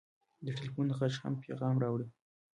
د ټېلفون غږ هم پیغام راوړي.